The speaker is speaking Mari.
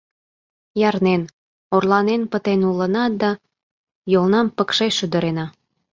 Ярнен, орланен пытен улына да йолнам пыкше шӱдырена.